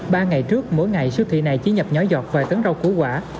ba ngày trước mỗi ngày siêu thị này chỉ nhập nhỏ giọt vài tấn rau củ quả